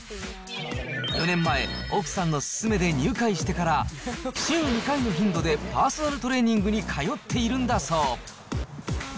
４年前、奥さんの勧めで入会してから、週２回の頻度でパーソナルトレーニングに通っているんだそう。